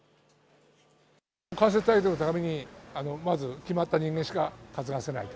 感染対策のために、まず決まった人間しか担がせない。